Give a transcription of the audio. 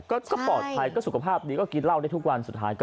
ก็ปลอดภัยก็สุขภาพดีก็กินเหล้าได้ทุกวันสุดท้ายก็